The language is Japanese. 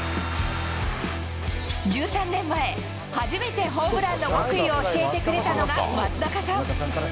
１３年前、初めてホームランの極意を教えてくれたのが、松中さん。